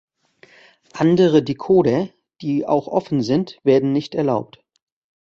Andere Decoder, die auch offen sind, werden nicht erlaubt.